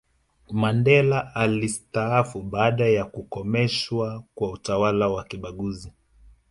mandela alisitaafu baada ya kukomeshwa kwa utawala wa kibaguzi